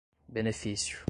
benefício